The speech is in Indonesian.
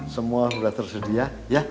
semua sudah tersedia